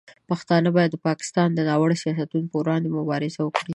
پښتانه باید د پاکستان د ناوړه سیاستونو پر وړاندې مبارزه وکړي.